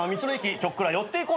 ちょっくら寄っていこう。